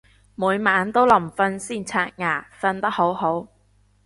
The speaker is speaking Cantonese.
每晚都臨瞓先刷牙，瞓得好好